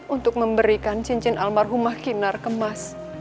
untuk memberikan cincin almarhumah kinar ke mas